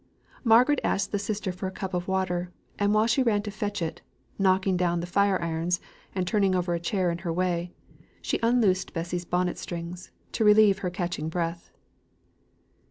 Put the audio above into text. Margaret asked the sister for a cup of water, and while she ran to fetch it (knocking down the fire irons, and tumbling over a chair in her way), she unloosed Bessy's bonnet strings, to relieve her catching breath.